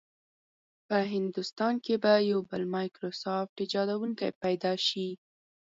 په هندوستان کې به یو بل مایکروسافټ ایجادونکی پیدا شي.